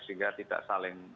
sehingga tidak saling